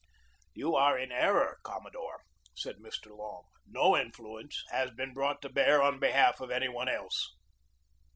"You are in error, commodore," said Mr. Long. "No influence has been brought to bear on behalf of any one else."